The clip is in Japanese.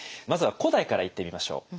まずは古代からいってみましょう。